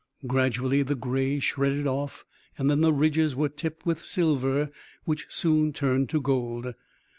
Gradually the gray shredded off and then the ridges were tipped with silver which soon turned to gold.